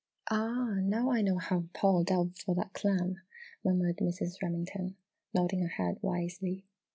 "Ah! Now I know how Paul delved for that clam!" murmured Mrs. Remington, nodding her head wisely.